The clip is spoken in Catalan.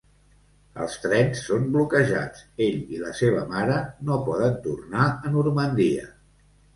Els trens són bloquejats, ell i la seva mare no poden tornar a Normandia.